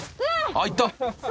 ［あっいった］